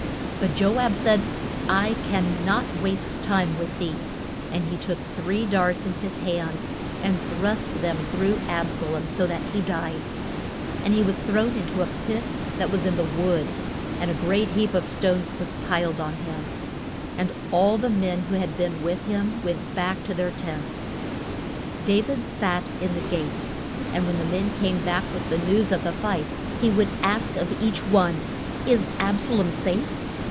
But Jo ab said, I can not waste time with thee. And he took three darts in his hand and thrust them through Ab sa lom, so that he died. And he was thrown in to a pit that was in the wood, and a great heap of stones was piled on him. And all the men who had been with him went back to their tents. [Illustration: DA VID HEAR ING OF AB SA LOM'S DEATH.] Da vid sat in the gate, and when men came back with news of the fight, he would ask of each one, Is Ab sa lom safe?